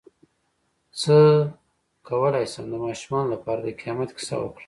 څ�ه کولی شم د ماشومانو لپاره د قیامت کیسه وکړم